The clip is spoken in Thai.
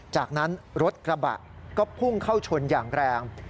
จากนั้นรถกระบะก็พุ่งเข้าชนอย่างแรง